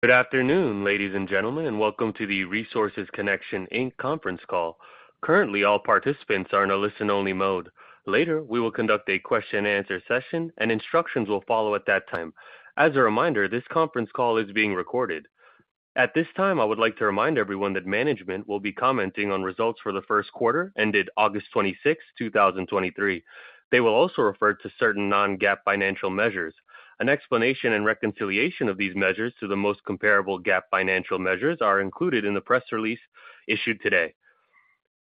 Good afternoon, ladies and gentlemen, and welcome to the Resources Connection, Inc Conference Call. Currently, all participants are in a listen-only mode. Later, we will conduct a question-and-answer session, and instructions will follow at that time. As a reminder, this conference call is being recorded. At this time, I would like to remind everyone that management will be commenting on results for the first quarter, ended August 26, 2023. They will also refer to certain non-GAAP financial measures. An explanation and reconciliation of these measures to the most comparable GAAP financial measures are included in the press release issued today.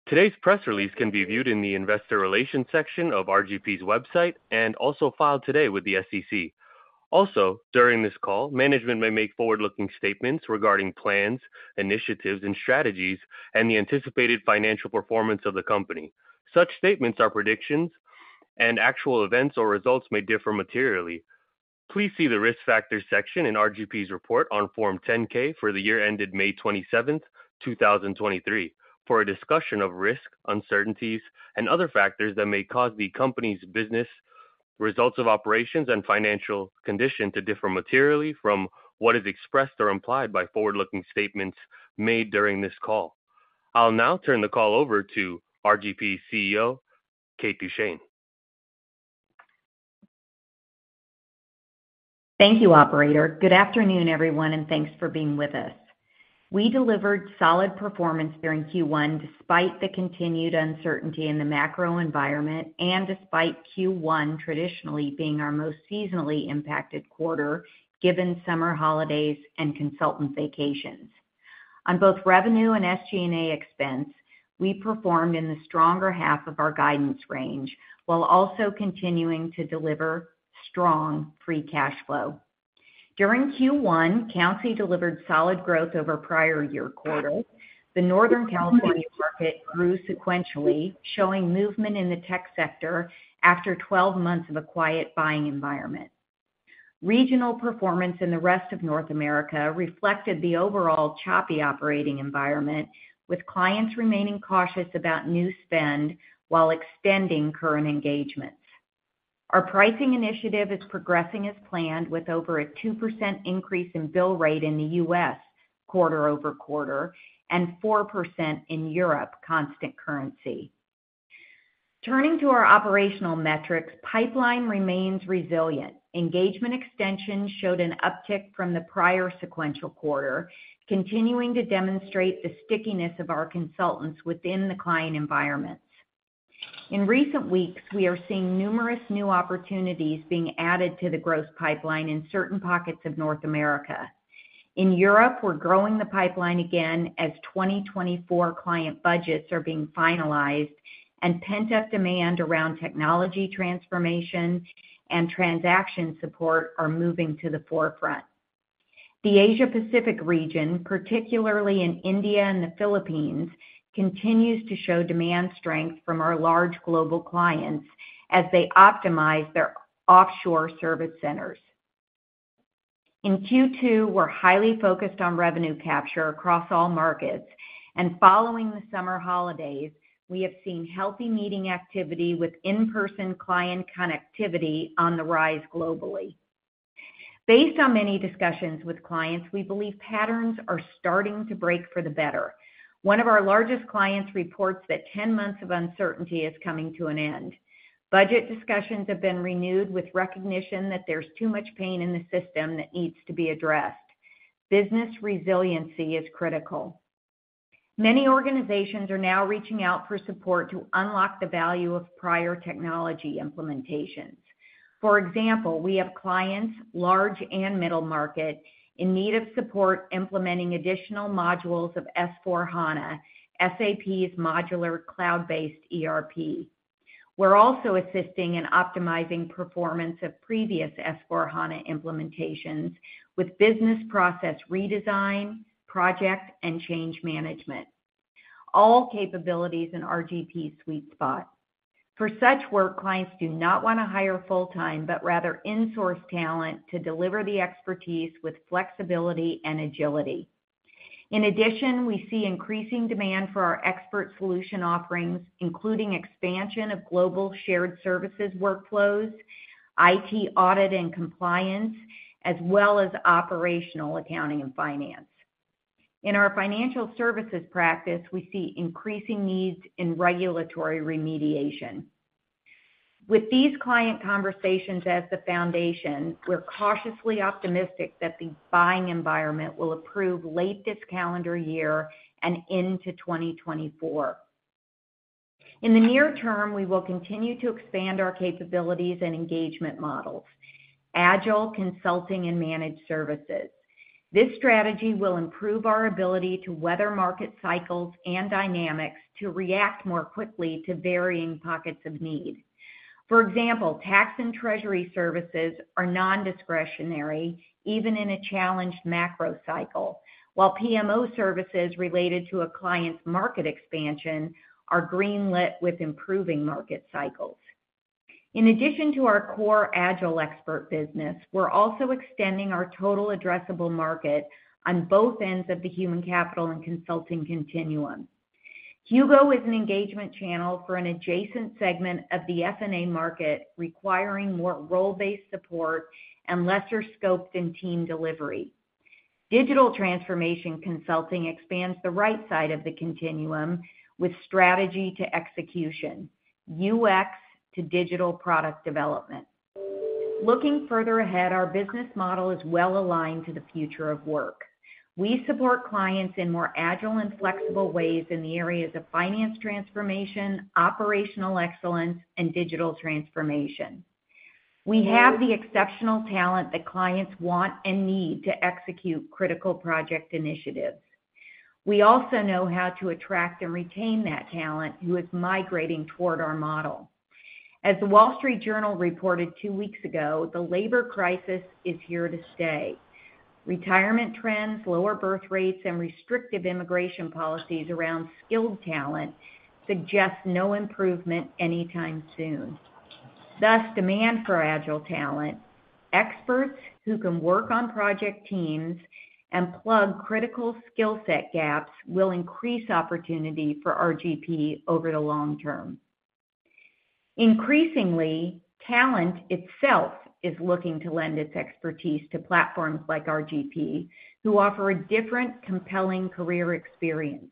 Today's press release can be viewed in the Investor Relations section of RGP's website and also filed today with the SEC. Also, during this call, management may make forward-looking statements regarding plans, initiatives, and strategies and the anticipated financial performance of the company. Such statements are predictions, and actual events or results may differ materially. Please see the Risk Factors section in RGP's report on Form 10-K for the year ended May 27th, 2023, for a discussion of risks, uncertainties, and other factors that may cause the company's business, results of operations, and financial condition to differ materially from what is expressed or implied by forward-looking statements made during this call. I'll now turn the call over to RGP's CEO, Kate Duchene. Thank you, operator. Good afternoon, everyone, and thanks for being with us. We delivered solid performance during Q1 despite the continued uncertainty in the macro environment and despite Q1 traditionally being our most seasonally impacted quarter, given summer holidays and consultant vacations. On both revenue and SG&A expense, we performed in the stronger half of our guidance range, while also continuing to deliver strong free cash flow. During Q1, RGP delivered solid growth over prior year quarters. The Northern California market grew sequentially, showing movement in the tech sector after 12 months of a quiet buying environment. Regional performance in the rest of North America reflected the overall choppy operating environment, with clients remaining cautious about new spend while extending current engagements. Our pricing initiative is progressing as planned, with over a 2% increase in bill rate in the U.S. quarter-over-quarter and 4% in Europe, constant currency. Turning to our operational metrics, pipeline remains resilient. Engagement extension showed an uptick from the prior sequential quarter, continuing to demonstrate the stickiness of our consultants within the client environments. In recent weeks, we are seeing numerous new opportunities being added to the growth pipeline in certain pockets of North America. In Europe, we're growing the pipeline again as 2024 client budgets are being finalized and pent-up demand around technology transformation and transaction support are moving to the forefront. The Asia-Pacific region, particularly in India and the Philippines, continues to show demand strength from our large global clients as they optimize their offshore service centers. In Q2, we're highly focused on revenue capture across all markets, and following the summer holidays, we have seen healthy meeting activity with in-person client connectivity on the rise globally. Based on many discussions with clients, we believe patterns are starting to break for the better. One of our largest clients reports that 10 months of uncertainty is coming to an end. Budget discussions have been renewed with recognition that there's too much pain in the system that needs to be addressed. Business resiliency is critical. Many organizations are now reaching out for support to unlock the value of prior technology implementations. For example, we have clients, large and middle market, in need of support implementing additional modules of S/4HANA, SAP's modular cloud-based ERP. We're also assisting in optimizing performance of previous S/4HANA implementations with business process redesign, project, and change management, all capabilities in RGP's sweet spot. For such work, clients do not want to hire full-time, but rather insource talent to deliver the expertise with flexibility and agility. In addition, we see increasing demand for our expert solution offerings, including expansion of global shared services workflows, IT audit and compliance, as well as operational accounting and finance. In our financial services practice, we see increasing needs in regulatory remediation. With these client conversations as the foundation, we're cautiously optimistic that the buying environment will improve late this calendar year and into 2024. In the near term, we will continue to expand our capabilities and engagement models, agile consulting, and managed services. This strategy will improve our ability to weather market cycles and dynamics to react more quickly to varying pockets of need. For example, tax and treasury services are nondiscretionary, even in a challenged macro cycle, while PMO services related to a client's market expansion are greenlit with improving market cycles. In addition to our core agile expert business, we're also extending our total addressable market on both ends of the human capital and consulting continuum. HUGO is an engagement channel for an adjacent segment of the F&A market, requiring more role-based support and lesser scopes in team delivery. Digital transformation consulting expands the right side of the continuum with strategy to execution, UX to digital product development. Looking further ahead, our business model is well aligned to the future of work. We support clients in more agile and flexible ways in the areas of finance transformation, operational excellence, and digital transformation. We have the exceptional talent that clients want and need to execute critical project initiatives. We also know how to attract and retain that talent who is migrating toward our model. As the Wall Street Journal reported two weeks ago, the labor crisis is here to stay. Retirement trends, lower birth rates, and restrictive immigration policies around skilled talent suggest no improvement anytime soon. Thus, demand for agile talent, experts who can work on project teams and plug critical skill set gaps, will increase opportunity for RGP over the long term. Increasingly, talent itself is looking to lend its expertise to platforms like RGP, who offer a different, compelling career experience.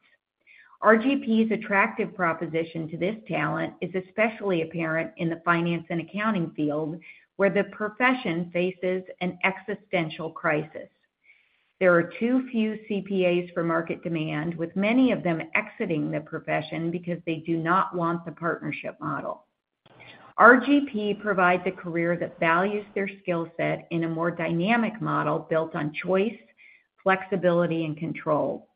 RGP's attractive proposition to this talent is especially apparent in the finance and accounting field, where the profession faces an existential crisis. There are too few CPAs for market demand, with many of them exiting the profession because they do not want the partnership model. RGP provides a career that values their skill set in a more dynamic model built on choice, flexibility, and control.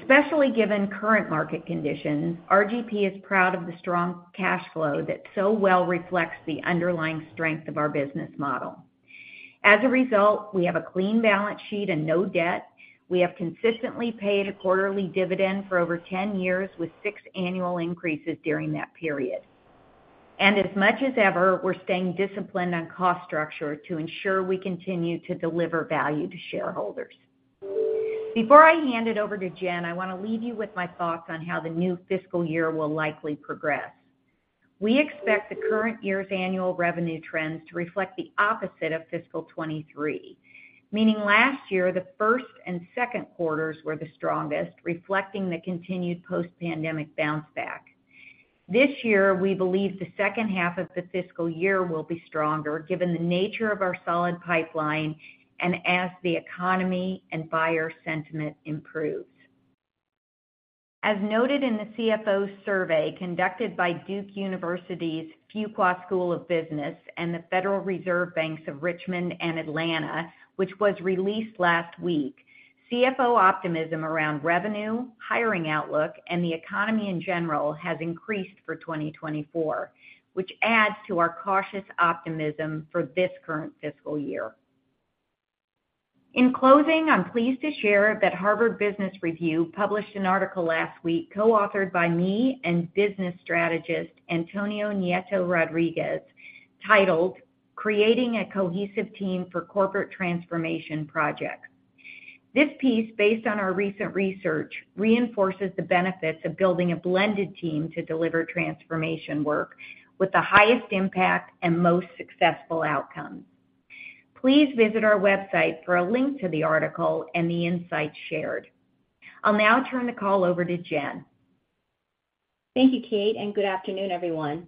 Especially given current market conditions, RGP is proud of the strong cash flow that so well reflects the underlying strength of our business model. As a result, we have a clean balance sheet and no debt. We have consistently paid a quarterly dividend for over 10 years, with six annual increases during that period. And as much as ever, we're staying disciplined on cost structure to ensure we continue to deliver value to shareholders. Before I hand it over to Jenn, I want to leave you with my thoughts on how the new fiscal year will likely progress. We expect the current year's annual revenue trends to reflect the opposite of fiscal 2023, meaning last year, the first and second quarters were the strongest, reflecting the continued post-pandemic bounce back. This year, we believe the second half of the fiscal year will be stronger, given the nature of our solid pipeline and as the economy and buyer sentiment improves. As noted in the CFO survey conducted by Duke University's Fuqua School of Business and the Federal Reserve Bank of Richmond and Atlanta, which was released last week, CFO optimism around revenue, hiring outlook, and the economy in general has increased for 2024, which adds to our cautious optimism for this current fiscal year. In closing, I'm pleased to share that Harvard Business Review published an article last week, co-authored by me and business strategist Antonio Nieto-Rodriguez, titled Creating a Cohesive Team for Corporate Transformation Projects. This piece, based on our recent research, reinforces the benefits of building a blended team to deliver transformation work with the highest impact and most successful outcomes. Please visit our website for a link to the article and the insights shared. I'll now turn the call over to Jenn. Thank you, Kate, and good afternoon, everyone.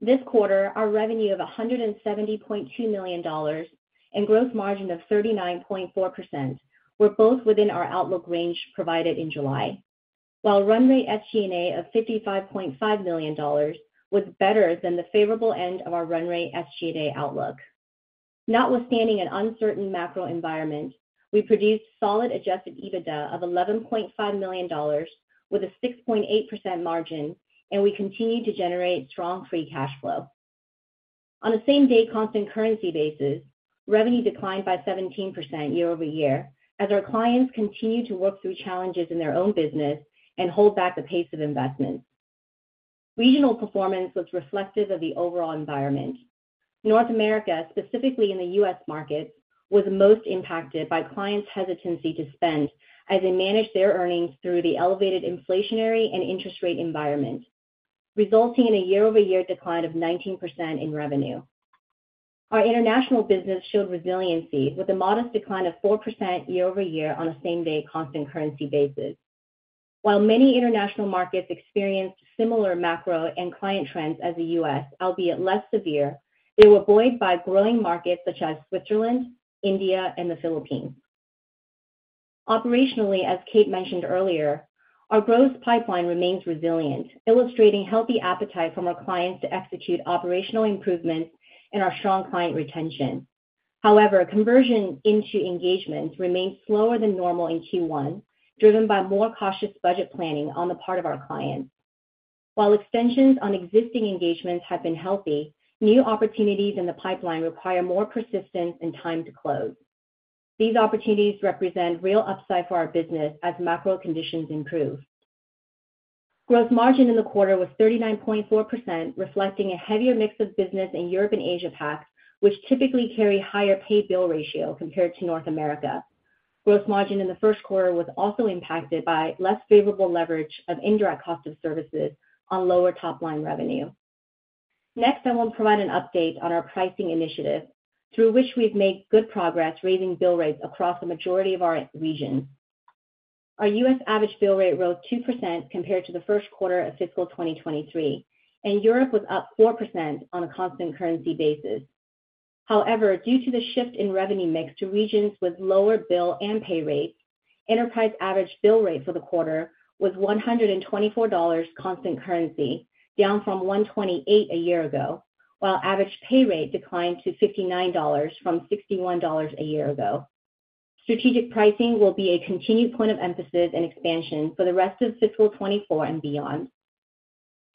This quarter, our revenue of $170.2 million and gross margin of 39.4% were both within our outlook range provided in July, while run rate SG&A of $55.5 million was better than the favorable end of our run rate SG&A outlook. Notwithstanding an uncertain macro environment, we produced solid adjusted EBITDA of $11.5 million with a 6.8% margin, and we continued to generate strong free cash flow. On a same-day constant currency basis, revenue declined by 17% year-over-year as our clients continued to work through challenges in their own business and hold back the pace of investment. Regional performance was reflective of the overall environment. North America, specifically in the U.S. market, was most impacted by clients' hesitancy to spend as they managed their earnings through the elevated inflationary and interest rate environment, resulting in a year-over-year decline of 19% in revenue. Our international business showed resiliency, with a modest decline of 4% year-over-year on a same-day constant currency basis. While many international markets experienced similar macro and client trends as the U.S., albeit less severe, they were buoyed by growing markets such as Switzerland, India, and the Philippines. Operationally, as Kate mentioned earlier, our growth pipeline remains resilient, illustrating healthy appetite from our clients to execute operational improvements and our strong client retention. However, conversion into engagements remains slower than normal in Q1, driven by more cautious budget planning on the part of our clients. While extensions on existing engagements have been healthy, new opportunities in the pipeline require more persistence and time to close. These opportunities represent real upside for our business as macro conditions improve. Gross margin in the quarter was 39.4%, reflecting a heavier mix of business in Europe and Asia-Pac, which typically carry higher pay/bill ratio compared to North America. Gross margin in the first quarter was also impacted by less favorable leverage of indirect cost of services on lower top-line revenue. Next, I will provide an update on our pricing initiative, through which we've made good progress, raising bill rates across the majority of our regions. Our U.S. average bill rate rose 2% compared to the first quarter of fiscal 2023, and Europe was up 4% on a constant currency basis. However, due to the shift in revenue mix to regions with lower bill and pay rates, enterprise average bill rate for the quarter was $124 constant currency, down from $128 a year ago, while average pay rate declined to $59 from $61 a year ago. Strategic pricing will be a continued point of emphasis and expansion for the rest of fiscal 2024 and beyond.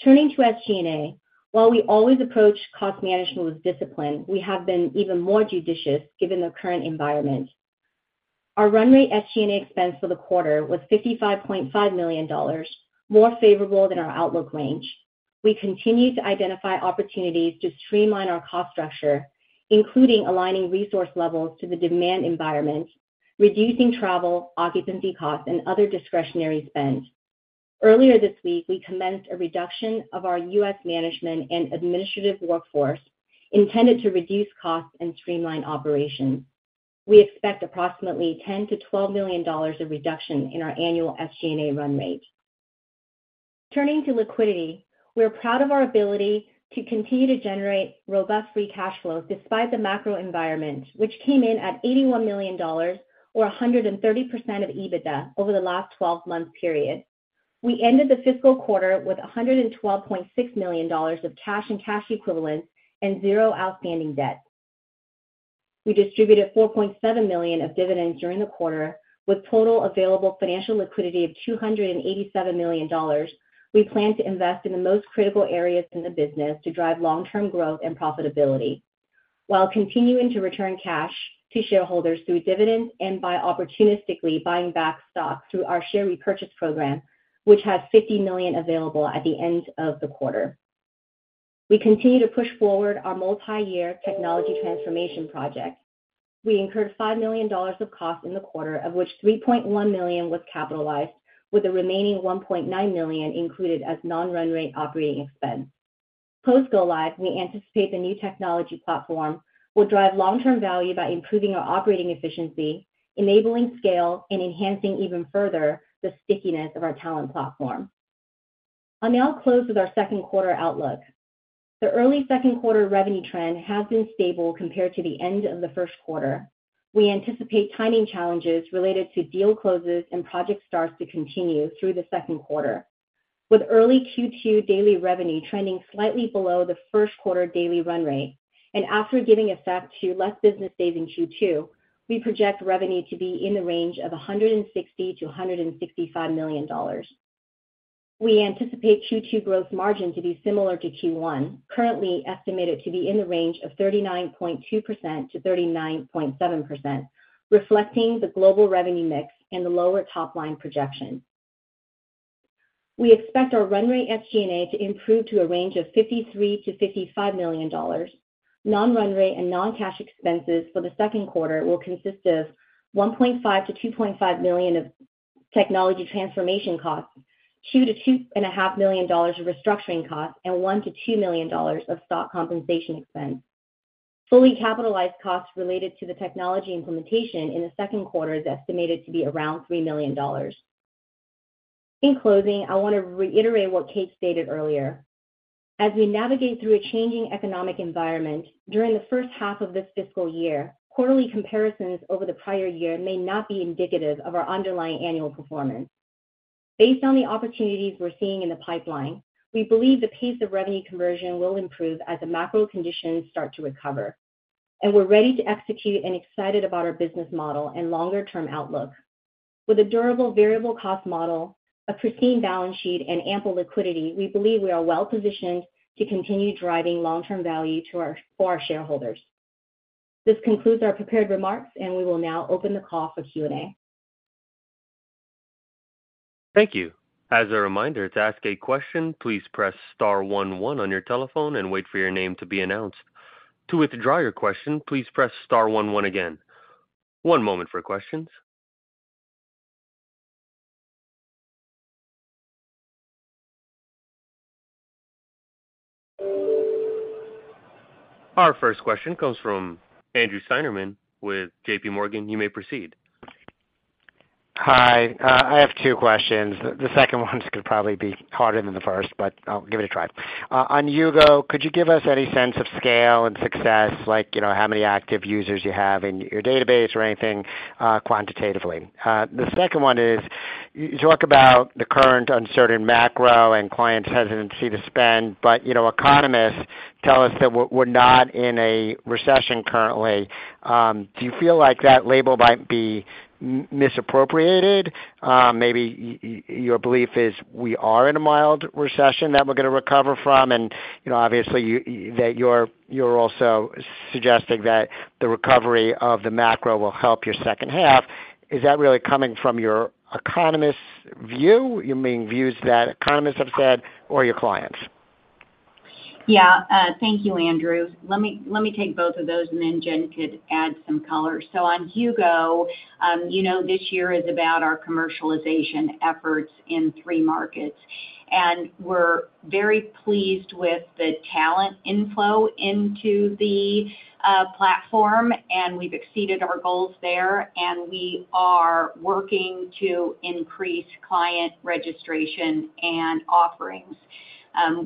Turning to SG&A. While we always approach cost management with discipline, we have been even more judicious given the current environment. Our run rate SG&A expense for the quarter was $55.5 million, more favorable than our outlook range. We continue to identify opportunities to streamline our cost structure, including aligning resource levels to the demand environment, reducing travel, occupancy costs, and other discretionary spend. Earlier this week, we commenced a reduction of our U.S. management and administrative workforce, intended to reduce costs and streamline operations. We expect approximately $10 million-$12 million of reduction in our annual SG&A run rate. Turning to liquidity, we're proud of our ability to continue to generate robust free cash flows despite the macro environment, which came in at $81 million, or 130% of EBITDA over the last 12-month period. We ended the fiscal quarter with $112.6 million of cash and cash equivalents and 0 outstanding debt. We distributed $4.7 million of dividends during the quarter, with total available financial liquidity of $287 million. We plan to invest in the most critical areas in the business to drive long-term growth and profitability, while continuing to return cash to shareholders through dividends and by opportunistically buying back stock through our share repurchase program, which has $50 million available at the end of the quarter. We continue to push forward our multiyear technology transformation project. We incurred $5 million of cost in the quarter, of which $3.1 million was capitalized, with the remaining $1.9 million included as non-run rate operating expense. Post-go-live, we anticipate the new technology platform will drive long-term value by improving our operating efficiency, enabling scale, and enhancing even further the stickiness of our talent platform. I'll now close with our second quarter outlook. The early second quarter revenue trend has been stable compared to the end of the first quarter. We anticipate timing challenges related to deal closes and project starts to continue through the second quarter. With early Q2 daily revenue trending slightly below the first quarter daily run rate and after giving effect to less business days in Q2, we project revenue to be in the range of $160 million-$165 million. We anticipate Q2 gross margin to be similar to Q1, currently estimated to be in the range of 39.2%-39.7%, reflecting the global revenue mix and the lower top-line projection. We expect our run rate SG&A to improve to a range of $53 million-$55 million. Non-run rate and non-cash expenses for the second quarter will consist of $1.5 million-$2.5 million of technology transformation costs, $2 million-$2.5 million of restructuring costs, and $1 million-$2 million of stock compensation expense. Fully capitalized costs related to the technology implementation in the second quarter is estimated to be around $3 million. In closing, I want to reiterate what Kate stated earlier. As we navigate through a changing economic environment during the first half of this fiscal year, quarterly comparisons over the prior year may not be indicative of our underlying annual performance. Based on the opportunities we're seeing in the pipeline, we believe the pace of revenue conversion will improve as the macro conditions start to recover, and we're ready to execute and excited about our business model and longer-term outlook. With a durable variable cost model, a pristine balance sheet, and ample liquidity, we believe we are well positioned to continue driving long-term value to our- for our shareholders. This concludes our prepared remarks, and we will now open the call for Q&A. Thank you. As a reminder, to ask a question, please press star one one on your telephone and wait for your name to be announced. To withdraw your question, please press star one one again. One moment for questions. Our first question comes from Andrew Steinerman with JPMorgan. You may proceed. Hi, I have two questions. The second one could probably be harder than the first, but I'll give it a try. On HUGO, could you give us any sense of scale and success, like, you know, how many active users you have in your database or anything, quantitatively? The second one is, you talk about the current uncertain macro and client hesitancy to spend, but, you know, economists tell us that we're not in a recession currently. Do you feel like that label might be misappropriated? Maybe your belief is we are in a mild recession that we're going to recover from, and you know, obviously, that you're also suggesting that the recovery of the macro will help your second half. Is that really coming from your economist view? You mean views that economists have said, or your clients? Yeah. Thank you, Andrew. Let me, let me take both of those, and then Jenn could add some color. So on HUGO, you know, this year is about our commercialization efforts in three markets. And we're very pleased with the talent inflow into the platform, and we've exceeded our goals there, and we are working to increase client registration and offerings.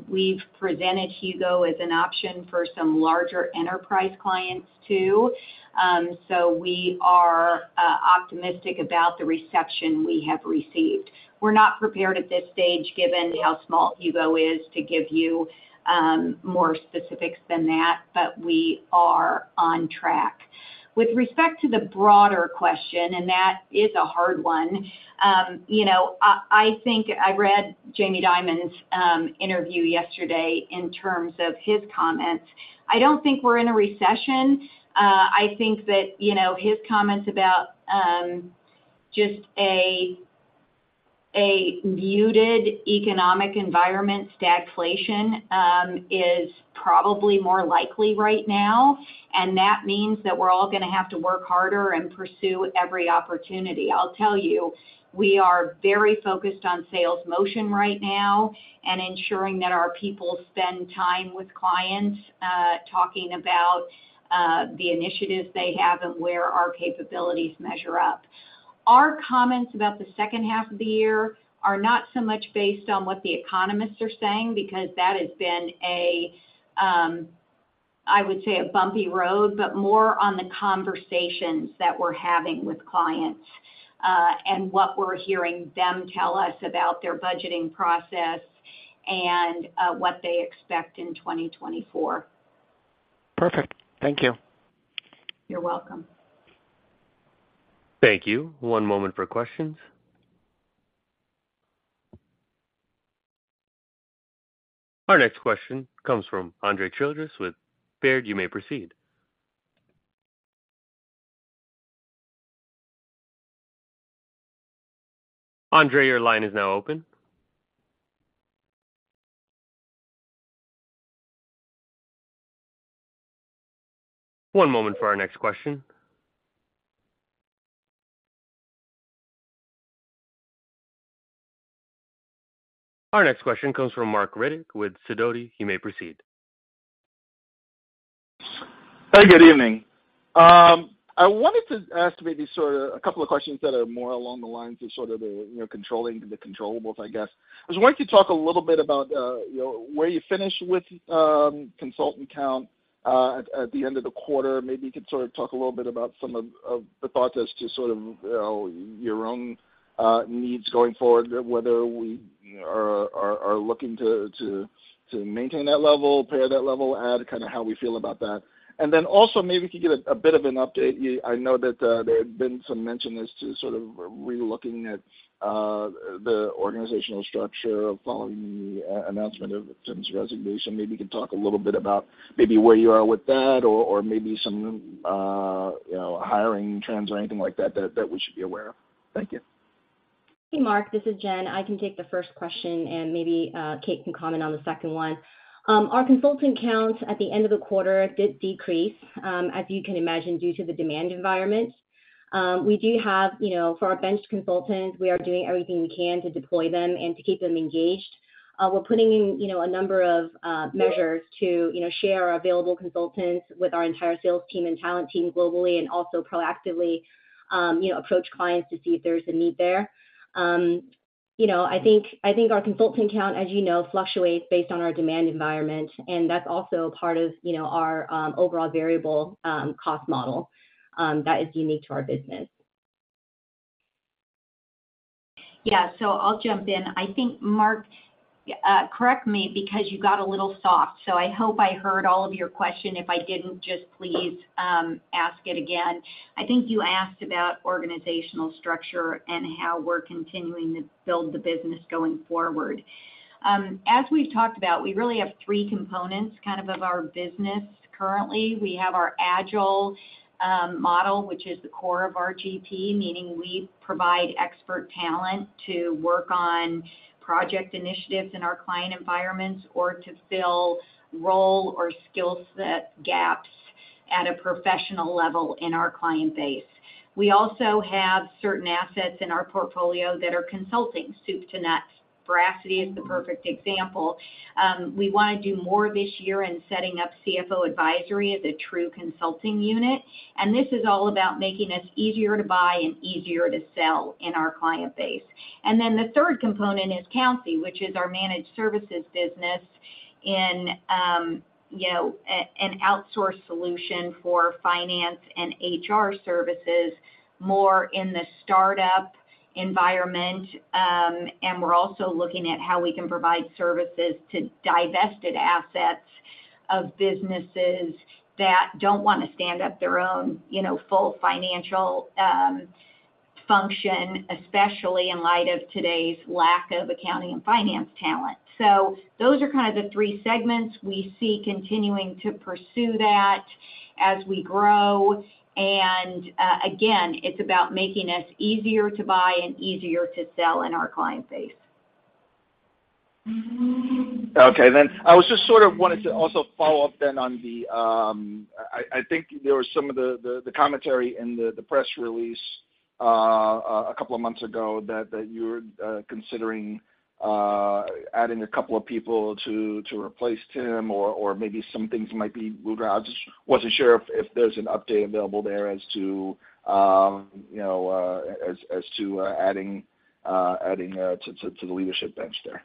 We've presented HUGO as an option for some larger enterprise clients, too. So we are optimistic about the reception we have received. We're not prepared at this stage, given how small HUGO is, to give you more specifics than that, but we are on track. With respect to the broader question, and that is a hard one, you know, I, I think I read Jamie Dimon's interview yesterday in terms of his comments. I don't think we're in a recession. I think that, you know, his comments about just a muted economic environment, stagflation, is probably more likely right now, and that means that we're all gonna have to work harder and pursue every opportunity. I'll tell you, we are very focused on sales motion right now and ensuring that our people spend time with clients, talking about the initiatives they have and where our capabilities measure up. Our comments about the second half of the year are not so much based on what the economists are saying, because that has been, I would say a bumpy road, but more on the conversations that we're having with clients, and what we're hearing them tell us about their budgeting process and what they expect in 2024. Perfect. Thank you. You're welcome. Thank you. One moment for questions. Our next question comes from Andre Childress with Baird. You may proceed. Andre, your line is now open. One moment for our next question. Our next question comes from Marc Riddick with Sidoti. He may proceed. Hey, good evening. I wanted to ask maybe sort of a couple of questions that are more along the lines of sort of the, you know, controlling the controllables, I guess. I was wondering if you could talk a little bit about, you know, where you finish with consultant count at the end of the quarter. Maybe you could sort of talk a little bit about some of the thoughts as to sort of your own needs going forward, whether we are looking to maintain that level, pair that level, add, kind of how we feel about that. And then also, maybe if you could give a bit of an update. I know that there had been some mention as to sort of relooking at the organizational structure following the announcement of Tim's resignation. Maybe you could talk a little bit about maybe where you are with that or, or maybe some you know, hiring trends or anything like that that we should be aware of. Thank you. Hey, Marc, this is Jenn. I can take the first question, and maybe Kate can comment on the second one. Our consultant count at the end of the quarter did decrease, as you can imagine, due to the demand environment. We do have, you know, for our benched consultants, we are doing everything we can to deploy them and to keep them engaged. We're putting in, you know, a number of measures to, you know, share our available consultants with our entire sales team and talent team globally, and also proactively, you know, approach clients to see if there's a need there. You know, I think, I think our consultant count, as you know, fluctuates based on our demand environment, and that's also a part of, you know, our overall variable cost model that is unique to our business. Yeah. So I'll jump in. I think, Marc, correct me, because you got a little soft, so I hope I heard all of your question. If I didn't, just please, ask it again. I think you asked about organizational structure and how we're continuing to build the business going forward. As we've talked about, we really have three components, kind of, of our business currently. We have our agile model, which is the core of RGP, meaning we provide expert talent to work on project initiatives in our client environments or to fill role or skill set gaps at a professional level in our client base. We also have certain assets in our portfolio that are consulting, soup to nuts. Veracity is the perfect example. We want to do more this year in setting up CFO Advisory as a true consulting unit, and this is all about making us easier to buy and easier to sell in our client base. And then the third component is Countsy, which is our managed services business in, you know, an outsource solution for finance and HR services, more in the startup environment. And we're also looking at how we can provide services to divested assets of businesses that don't want to stand up their own, you know, full financial function, especially in light of today's lack of accounting and finance talent. So those are kind of the three segments. We see continuing to pursue that as we grow, and again, it's about making us easier to buy and easier to sell in our client base. Okay, then I was just sort of wanted to also follow up then on the, I think there was some of the commentary in the press release a couple of months ago that you were considering adding a couple of people to replace Tim or maybe some things might be moved around. Just wasn't sure if there's an update available there as to, you know, as to adding to the leadership bench there.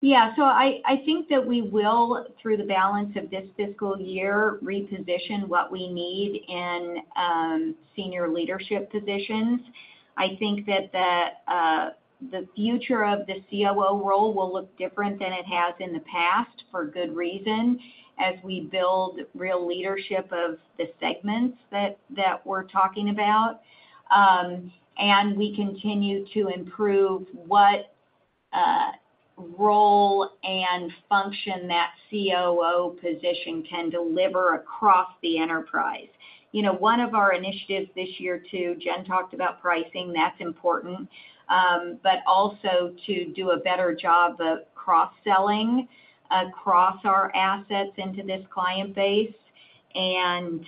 Yeah. So I think that we will, through the balance of this fiscal year, reposition what we need in senior leadership positions. I think that the future of the COO role will look different than it has in the past, for good reason, as we build real leadership of the segments that we're talking about. And we continue to improve what role and function that COO position can deliver across the enterprise. You know, one of our initiatives this year, too, Jenn talked about pricing, that's important, but also to do a better job of cross-selling across our assets into this client base. And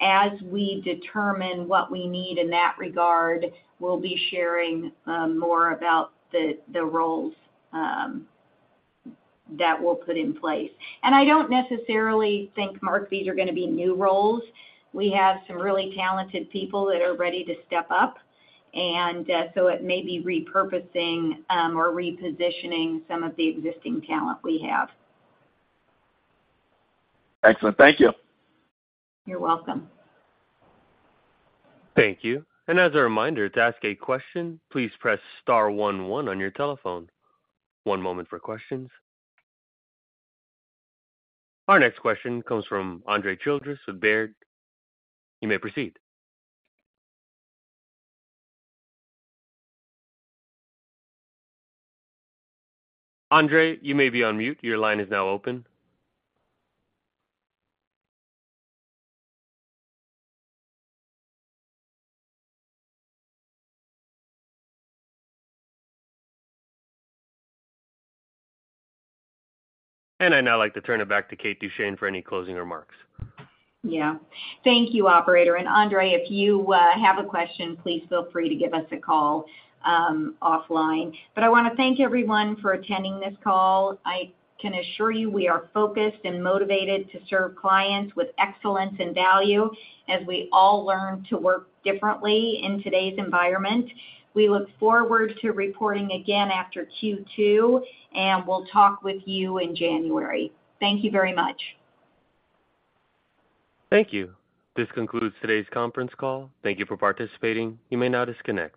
as we determine what we need in that regard, we'll be sharing more about the roles that we'll put in place. And I don't necessarily think, Marc, these are gonna be new roles. We have some really talented people that are ready to step up, and so it may be repurposing or repositioning some of the existing talent we have. Excellent. Thank you. You're welcome. Thank you. And as a reminder, to ask a question, please press star one one on your telephone. One moment for questions. Our next question comes from Andre Childress with Baird. You may proceed. Andre, you may be on mute. Your line is now open. And I'd now like to turn it back to Kate Duchene for any closing remarks. Yeah. Thank you, operator. And Andrew, if you have a question, please feel free to give us a call, offline. But I want to thank everyone for attending this call. I can assure you we are focused and motivated to serve clients with excellence and value as we all learn to work differently in today's environment. We look forward to reporting again after Q2, and we'll talk with you in January. Thank you very much. Thank you. This concludes today's conference call. Thank you for participating. You may now disconnect.